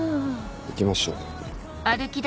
行きましょう。